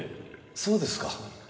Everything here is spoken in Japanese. そうですか。